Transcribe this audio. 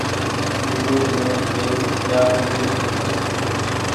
انگور مين لين جآ رو ڇو۔